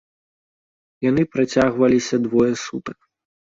Яны працягваліся двое сутак.